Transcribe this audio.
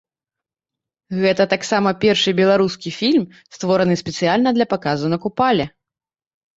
Гэта таксама першы беларускі фільм, створаны спецыяльна для паказу на купале.